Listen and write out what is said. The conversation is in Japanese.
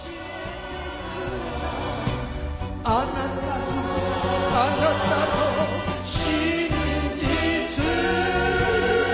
「あなたのあなたの真実」